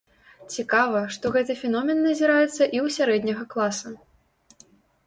Цікава, што гэты феномен назіраецца і ў сярэдняга класа.